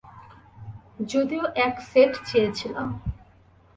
যদিও এক সেট চেয়েছিলাম।